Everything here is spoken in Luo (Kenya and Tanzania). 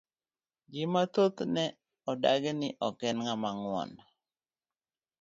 Ji mathoth ne odagi ni ok en ng'ama nguon.